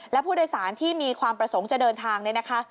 และผู้โดยสารที่มีความประสงค์จะเดินทางเนี่ยนะคะ